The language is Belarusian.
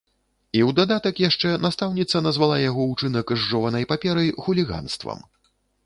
І ў дадатак яшчэ настаўніца назвала яго ўчынак з жованай паперай хуліганствам.